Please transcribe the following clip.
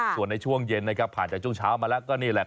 ส่วนในช่วงเย็นนะครับผ่านจากช่วงเช้ามาแล้วก็นี่แหละ